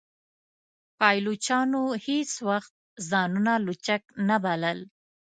پایلوچانو هیڅ وخت ځانونه لوچک نه بلل.